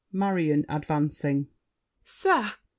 MARION (advancing). Sir!